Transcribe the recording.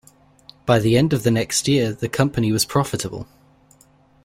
By the end of the next year the company was profitable.